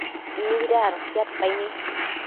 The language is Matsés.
mida adotiadpaini